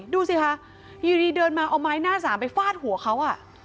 ดูสิคะอยู่ดีเดินมาเอาไม้หน้าสามไปฟาดหัวเขา